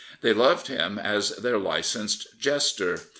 They loved him as their licensed jester.